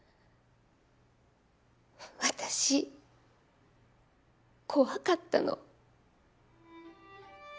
私怖かったの。